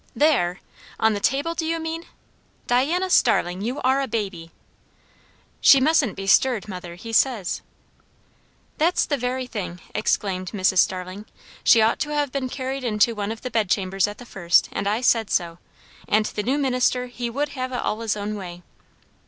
"There! On the table do you mean? Diana Starling, you are a baby!" "She mustn't be stirred, mother, he says." "That's the very thing!" exclaimed Mrs. Starling. "She had ought to ha' been carried into one of the bed chambers at the first; and I said so; and the new minister, he would have it all his own way."